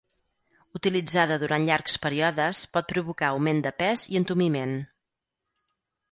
Utilitzada durant llargs períodes pot provocar augment de pes i entumiment.